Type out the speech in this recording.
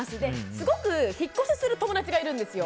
すごく引っ越しする友達がいるんですよ。